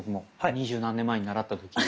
二十何年前に習った時。